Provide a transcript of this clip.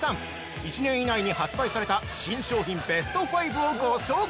１年以内に発売された新商品ベスト５をご紹介。